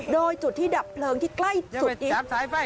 โดยจุดที่ดับเพลิงที่ใกล้สุดอีก